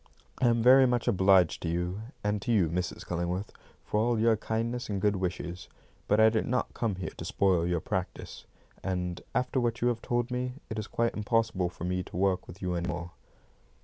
"I am very much obliged to you, and to you, Mrs. Cullingworth, for all your kindness and good wishes, but I did not come here to spoil your practice; and, after what you have told me, it is quite impossible for me to work with you any more."